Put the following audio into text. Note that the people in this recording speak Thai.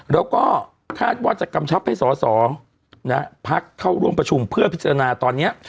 แล้วก็คาดว่าจะกำชับให้สอสอพักเข้าร่วมประชุมเพื่อพิจารณาตอนนี้